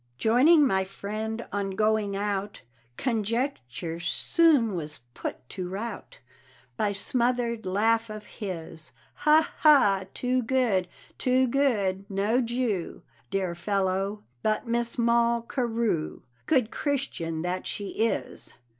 Joining my friend on going out, Conjecture soon was put to rout By smothered laugh of his: Ha! ha! too good, too good, no Jew, Dear fellow, but Miss Moll Carew, Good Christian that she is!